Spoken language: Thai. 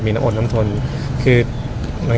ภาษาสนิทยาลัยสุดท้าย